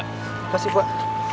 terima kasih pak